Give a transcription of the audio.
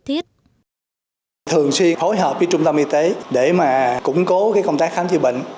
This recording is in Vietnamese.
thiết thường xuyên phối hợp với trung tâm y tế để mà củng cố công tác khám chữa bệnh